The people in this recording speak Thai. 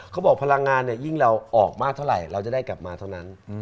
พลังงานยิ่งเราออกมากเท่าไหร่เราจะได้กลับมาเท่านั้น